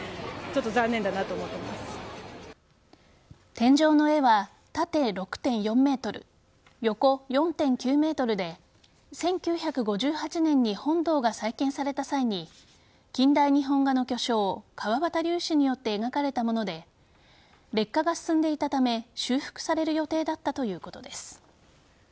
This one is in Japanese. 天井の絵は縦６．４ｍ、横４．９ｍで１９５８年に本堂が再建された際に近代日本画の巨匠川端龍子によって描かれたもので劣化が進んでいたため修復される予定だったということです。